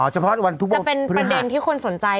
อ๋อจะเป็นประเด็นที่คนสนใจ